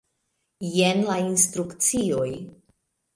Jen la instrukcioj.